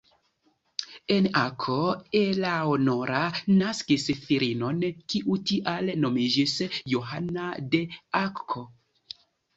En Akko Eleanora naskis filinon, kiu tial nomiĝis Johana de Akko.